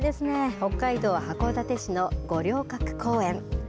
北海道函館市の五稜郭公園。